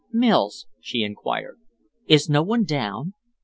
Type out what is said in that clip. "Mills," she enquired, "is no one down?"